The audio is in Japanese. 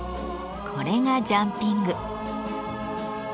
これがジャンピング。